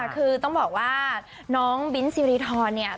คือต้องบอกว่าน้องบิ้นซิริทรเนี่ย